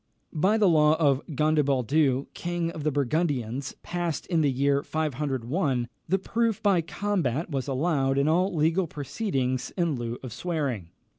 By the law of Gondebaldus king of the Burgundians, passed in the year 501, the proof by combat was allowed in all legal proceedings in lieu of swearing.